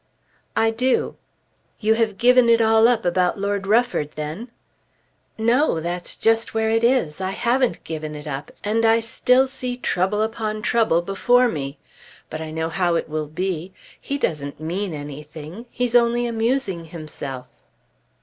"I do." "You have given it all up about Lord Rufford then?" "No; that's just where it is. I haven't given it up, and I still see trouble upon trouble before me. But I know how it will be. He doesn't mean anything. He's only amusing himself."